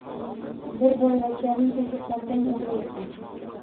Bir boyvachchaning takasaltang o`g`li ekan